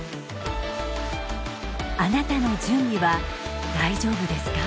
あなたの準備は大丈夫ですか？